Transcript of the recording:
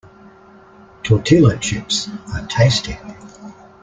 Tortilla chips are tasty.